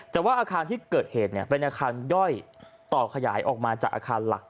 แต่ว่าอาคารที่เกิดเหตุเป็นอาคารย่อยต่อขยายออกมาจากอาคารหลัก